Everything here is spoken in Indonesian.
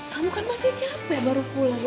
eh kamu kan masih capek baru pulang udah